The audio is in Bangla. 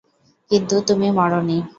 কিন্তু তুমি মরোনি।